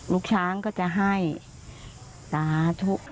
ลูกช้างก็จะให้สาธุ